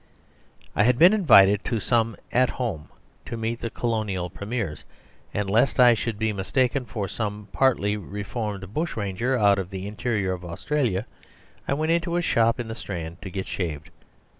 ..... I had been invited to some At Home to meet the Colonial Premiers, and lest I should be mistaken for some partly reformed bush ranger out of the interior of Australia I went into a shop in the Strand to get shaved.